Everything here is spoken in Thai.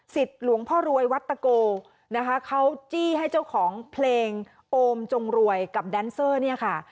หลวงพ่อรวยวัตโกนะคะเขาจี้ให้เจ้าของเพลงโอมจงรวยกับแดนเซอร์เนี่ยค่ะ